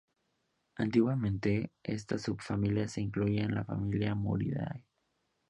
Antiguamente, esta subfamilia se incluía en la familia Muridae.